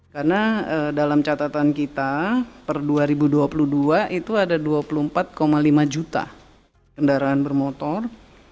karena dalam catatan kita per dua ribu dua puluh dua itu ada dua puluh empat lima juta kendaraan bermotor